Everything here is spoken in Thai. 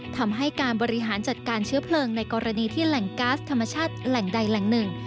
ทำให้การบริหารจัดการเชื้อเพลิงในกรณีที่แหล่งก๊าซธรรมชาติแหล่งใดแหล่งหนึ่ง